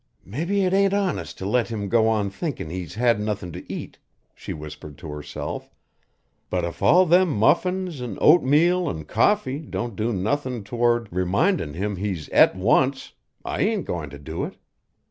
"Mebbe it ain't honest to let him go on thinkin' he's had nothin' to eat," she whispered to herself, "but if all them muffins, an' oatmeal, an' coffee don't do nothin' toward remindin' him he's et once, I ain't goin' to do it.